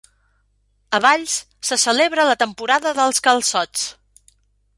A Valls se celebra la temporada dels calçots